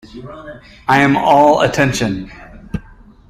I am all attention.